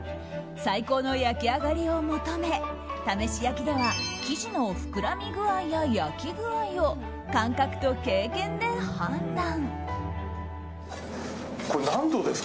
最高の焼き上がりを求め試し焼きでは生地の膨らみ具合や焼き具合を感覚と経験で判断。